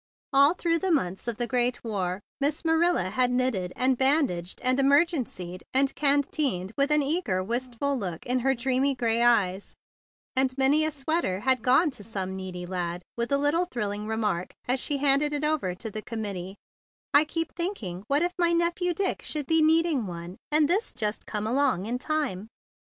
All through the months of the Great War Miss Marilla had knit and band¬ aged and emergencied and canteened with an eager, wistful look in her dreamy gray eyes, and many a sweater had gone to some needy lad with the little thrilling remark as she handed it over to the committee: "I keep thinking, what if my nephew Dick should be needing one, and this just come along in time?"